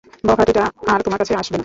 বখাটেটা আর তোমার কাছে আসবে না।